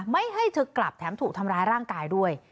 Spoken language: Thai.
ไม่ให้เธอกลับแถมถูกทำร้ายร่างกายด้วย